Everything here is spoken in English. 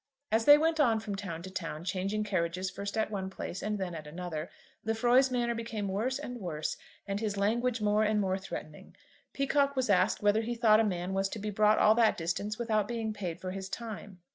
As they went on from town to town, changing carriages first at one place and then at another, Lefroy's manner became worse and worse, and his language more and more threatening. Peacocke was asked whether he thought a man was to be brought all that distance without being paid for his time.